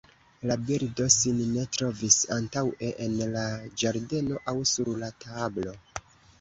La birdo sin ne trovis antaŭe en la ĝardeno aŭ sur la tablo.